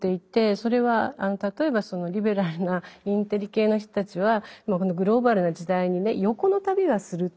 それは例えばそのリベラルなインテリ系の人たちはこのグローバルな時代にね横の旅はすると。